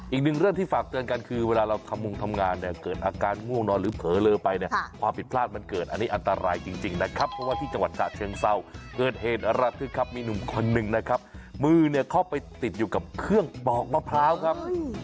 อีกหนึ่งเรื่องที่ฝากเตือนกันคือเวลาเราขมุงทำงานเนี่ยเกิดอาการง่วงนอนหรือเผลอเลอไปเนี่ยความผิดพลาดมันเกิดอันนี้อันตรายจริงนะครับเพราะว่าที่จังหวัดฉะเชิงเศร้าเกิดเหตุระทึกครับมีหนุ่มคนหนึ่งนะครับมือเนี่ยเข้าไปติดอยู่กับเครื่องปอกมะพร้าวครับ